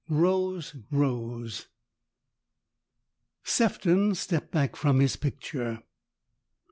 ROSE ROSE SEF TON stepped back from his picture.